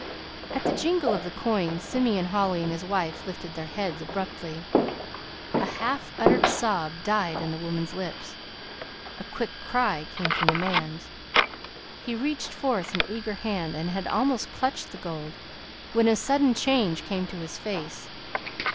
At the jingle of the coins Simeon Holly and his wife lifted their heads abruptly. A half uttered sob died on the woman's lips. A quick cry came from the man's. He reached forth an eager hand and had almost clutched the gold when a sudden change came to his face.